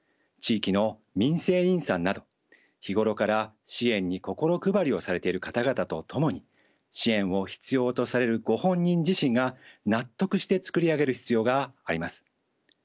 地域の民生委員さんなど日頃から支援に心配りをされている方々と共に支援を必要とされるご本人自身が納得して作り上げる必要があります。